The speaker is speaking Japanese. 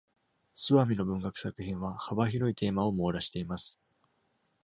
スワミの文学作品は、幅広いテーマを網羅しています。